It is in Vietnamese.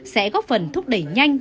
sẽ góp phần thúc đẩy nhanh